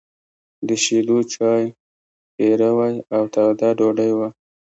د شيدو چای، پيروی او توده ډوډۍ وه.